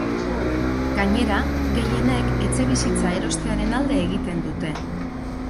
Gainera, gehienek etxebizitza erostearen alde egiten dute.